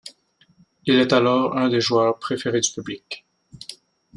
Il est alors un des joueurs préférés du public.